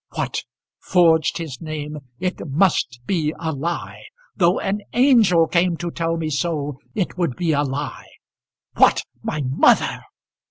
"What; forged his name! It must be a lie. Though an angel came to tell me so, it would be a lie! What; my mother!"